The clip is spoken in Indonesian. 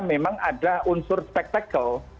memang ada unsur spektakle